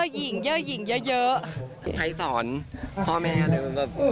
ยายิงแต่คราว